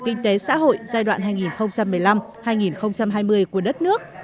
kinh tế xã hội giai đoạn hai nghìn một mươi năm hai nghìn hai mươi của đất nước